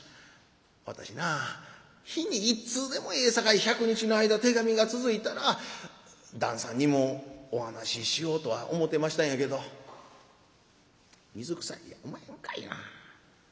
私なぁ日に１通でもええさかい１００日の間手紙が続いたら旦さんにもお話ししようとは思てましたんやけど水くさいやおまへんかいな。